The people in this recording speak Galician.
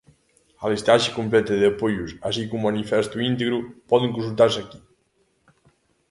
A listaxe completa de apoios, así como o manifesto íntegro, poden consultarse aquí.